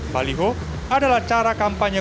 baliho adalah cara kampanye